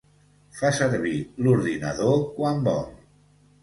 Fa servir l'ordinador quan vol.